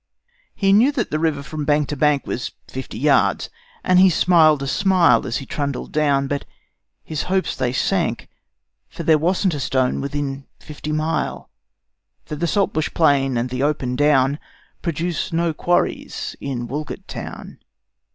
He knew that the river from bank to bank Was fifty yards, and he smiled a smile As he trundled down, but his hopes they sank For there wasn't a stone within fifty mile; For the saltbush plain and the open down Produce no quarries in Walgett town.